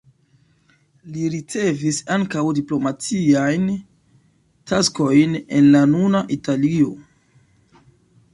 Li ricevis ankaŭ diplomatiajn taskojn en la nuna Italio.